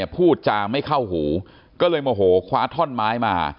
พูดจาไม่เข้าหูก็เลยโมโหคว้าท่อนไม้มา